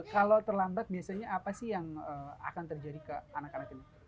kalau terlambat biasanya apa sih yang akan terjadi ke anak anak ini